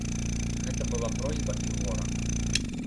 Гэта была просьба і гора.